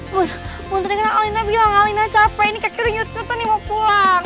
bun bun dengerin alina bilang alina capek ini kaki rinyut nyutan nih mau pulang